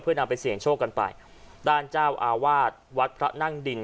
นำไปเสี่ยงโชคกันไปด้านเจ้าอาวาสวัดพระนั่งดิน